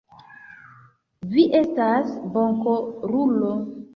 Vi estas bonkorulo.